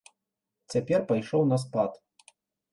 Цяпер пайшоў на спад.